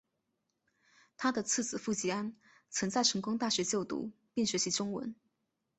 他的次子傅吉安曾在成功大学就读并学习中文。